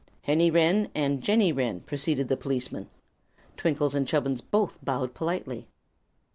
"Henny Wren and Jenny Wren," proceeded the policeman. Twinkle and Chubbins both bowed politely.